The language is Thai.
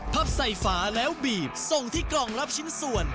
พับใส่ฝาแล้วบีบส่งที่กล่องรับชิ้นส่วน